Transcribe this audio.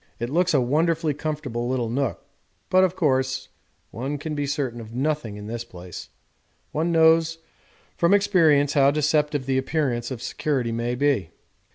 It looks a wonderfully comfortable little nook, but, of course, one can be certain of nothing in this place; one knows from experience how deceptive the appearance of security may be.